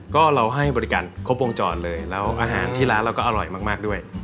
ก็เราให้บริการครบวงจรเลยแล้วอาหารที่ร้านเราก็อร่อยมากด้วย